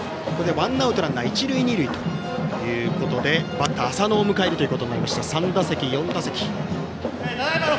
ワンアウトランナー一塁二塁ということでバッター浅野を迎えることになりました。